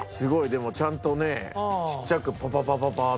でもちゃんとねちっちゃくパパパパパーッと。